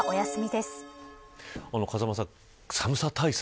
風間さん、寒さ対策